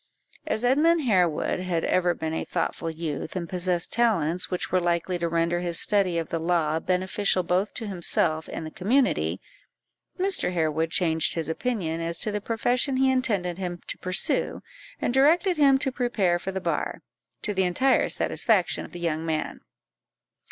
As Edmund Harewood had ever been a thoughtful youth, and possessed talents which were likely to render his study of the law beneficial both to himself and the community, Mr. Harewood changed his opinion as to the profession he intended him to pursue, and directed him to prepare for the bar, to the entire satisfaction of the young man.